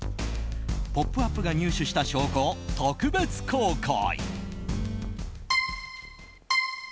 「ポップＵＰ！」が入手した証拠を特別公開。